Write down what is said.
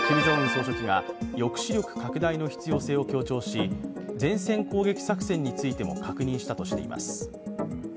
総書記が抑止力拡大の必要性を強調し前線攻撃作戦についても確認したとしています。